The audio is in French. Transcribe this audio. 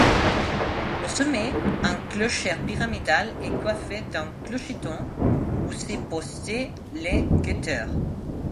Au sommet, un clocher pyramidal est coiffé d’un clocheton où se postait le guetteur.